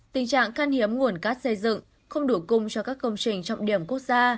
tình trạng khăn hiếm nguồn cát xây dựng không đủ cung cho các công trình trọng điểm quốc gia